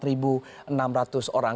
ini mencapai enam enam ratus orang